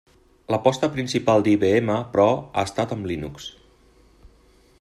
L'aposta principal d'IBM, però, ha estat amb Linux.